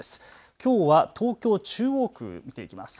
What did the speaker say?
きょうは東京中央区見ていきます。